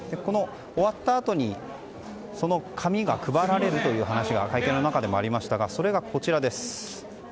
終わったあとにその紙が配られるという話が会見の中でありましたがそれがこちらです。